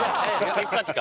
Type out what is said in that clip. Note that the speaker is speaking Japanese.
せっかちか！